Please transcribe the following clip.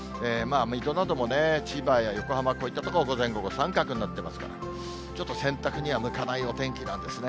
水戸なども千葉や横浜、こういった所、午前、午後、三角になってますから、ちょっと洗濯には向かないお天気なんですね。